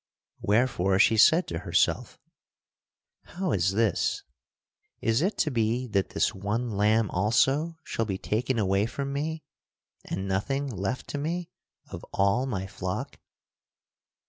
Wherefore she said to herself: "How is this? Is it to be that this one lamb also shall be taken away from me and nothing left to me of all my flock?"